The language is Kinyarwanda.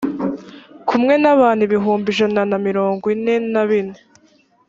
kumwe n abantu ibihumbi ijana na mirongo ine na bine